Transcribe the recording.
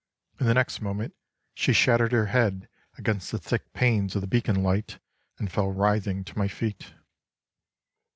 In the next moment she shattered her head against the thick panes of the beacon light and fell writhing to my feet.